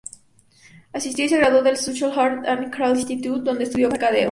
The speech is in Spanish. Asistió y se graduó del Suzhou Arts and Crafts Institute, donde estudió mercadeo.